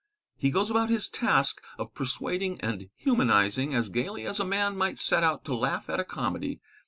He goes about his task of persuading and humanising as gaily as a man might set out to laugh at a comedy.